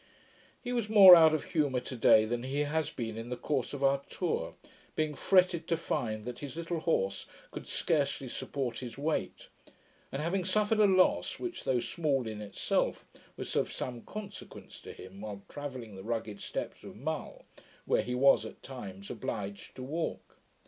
He was more out of humour to day, than he has been in the course of our tour, being fretted to find that his little horse could scarcely support his weight; and having suffered a loss, which, though small in itself, was of some consequence to him, while travelling the rugged steeps of Mull, where he was at times obliged to walk.